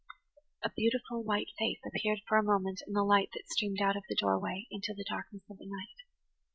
A beautiful, white face appeared for a moment in the light that streamed out of the doorway into the darkness of the night.